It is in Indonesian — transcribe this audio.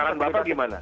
saran bapak bagaimana